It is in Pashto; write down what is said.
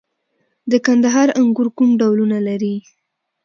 د کندهار انګور کوم ډولونه لري؟